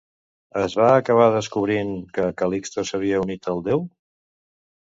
Es va acabar descobrint que Cal·listo s'havia unit al déu?